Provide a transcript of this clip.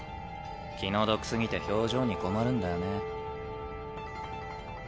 気の毒すぎて表情に困るんだよね。